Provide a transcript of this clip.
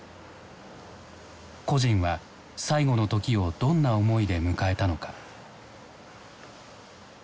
「故人は最期の時をどんな思いで迎えたのか」。